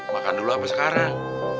makan dulu apa sekarang